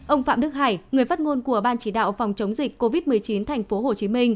ông phạm đức hải người phát ngôn của ban chỉ đạo phòng chống dịch covid một mươi chín tp hcm